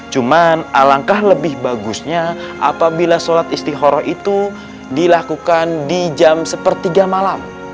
cuman alangkah lebih bagusnya apabila sholat istihoroh itu dilakukan di jam sepertiga malam